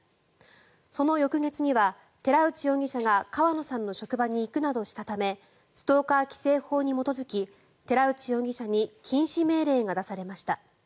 その翌月には寺内容疑者が川野さんの職場に行くなどしたためストーカー規制法に基づき寺内容疑者に禁止命令が出されました。